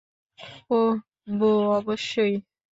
অহ, বোহ, অবশ্যই।